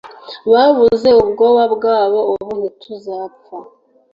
Babuze ubwoba bwabo ubu ntituzapfa